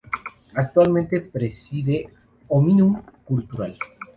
Actualmente preside Òmnium Cultural.